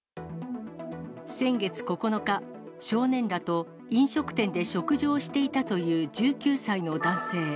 先月９日、少年らと飲食店で食事をしていたという１９歳の男性。